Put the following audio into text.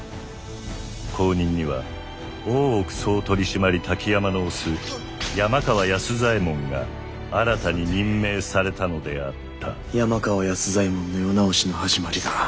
後任には大奥総取締滝山の推す山川安左衛門が新たに任命されたのであった山川安左衛門の世直しの始まりだ。